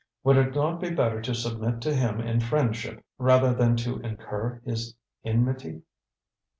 Would it not be better to submit to him in friendship, rather than to incur his enmity?